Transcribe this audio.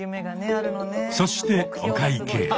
そしてお会計。